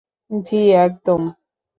জি, একদম।